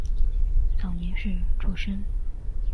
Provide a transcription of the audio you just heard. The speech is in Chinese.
早年是诸生。